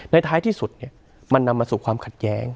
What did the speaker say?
ท้ายที่สุดมันนำมาสู่ความขัดแย้ง